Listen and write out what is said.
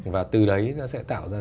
và từ đấy nó sẽ tạo ra